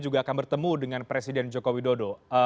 juga akan bertemu dengan presiden jokowi dodo